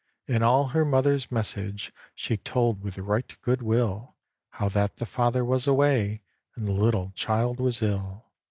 And all her mother's message She told with right good will How that the father was away, And the little child was ill.